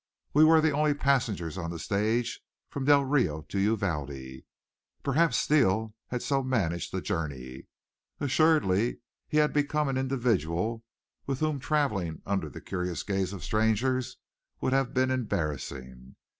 We were the only passengers on the stage from Del Rio to Uvalde. Perhaps Steele had so managed the journey. Assuredly he had become an individual with whom traveling under the curious gaze of strangers would have been embarrassing.